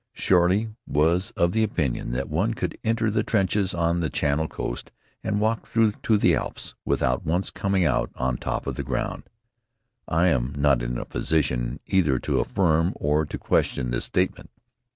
Shorty was of the opinion that one could enter the trenches on the Channel coast and walk through to the Alps without once coming out on top of the ground. I am not in a position either to affirm or to question this statement.